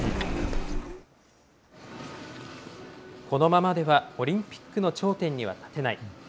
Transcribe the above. このままではオリンピックの頂点には立てない。